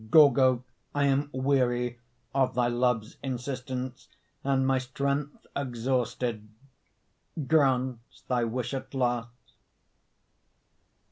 Gorgo, I am weary Of thy love's insistence, And my strength exhausted Grants thy wish at last.